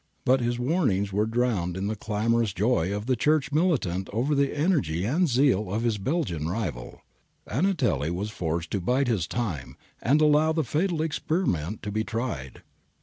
' But his warnings were drowned in the clamor ous joy of the Church militant over the energy and zeal of his Belgian rival. Antonelli was forced to bide his time and allow the fatal experiment to be tried.